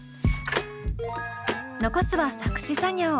残すは作詞作業。